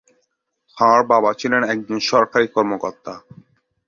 তাঁর বাবা ছিলেন একজন সরকারী কর্মকর্তা।